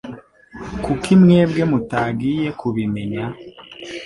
Kuki mwebwe mutagiye kubimenya?